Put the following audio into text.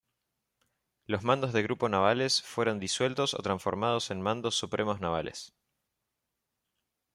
Los mandos de grupo navales fueron disueltos o transformados en mandos supremos navales.